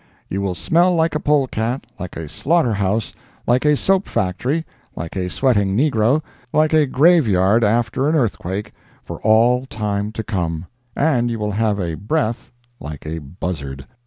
You will smell like a polecat, like a slaughter house, like a soap factory, like a sweating negro, like a graveyard after an earthquake—for all time to come—and you will have a breath like a buzzard.